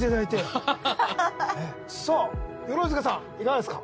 はっさあ鎧塚さんいかがですか？